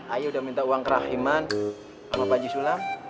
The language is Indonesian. ayah udah minta uang kerahiman sama pak ji sulam